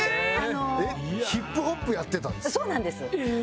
ヒップホップやってたんですか？